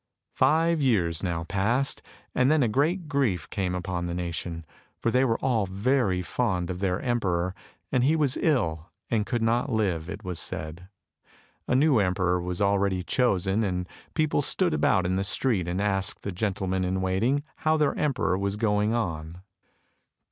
Five years now passed, and then a great grief came upon the nation, for they were all very fond of their emperor, and he was ill and could not live, it was said. A new emperor was already chosen, and people stood about in the street, and asked the gentleman in waiting how their emperor was going on.